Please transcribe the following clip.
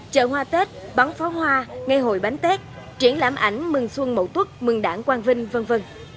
chợ hoa tết bán phó hoa ngày hội bánh tết triển lãm ảnh mừng xuân mẫu tuất mừng đảng quang vinh v v